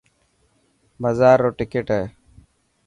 مزار رو ٽڪٽ هي.